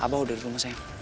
abah udah di rumah sayang